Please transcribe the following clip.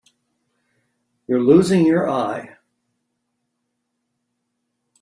You're losing your eye.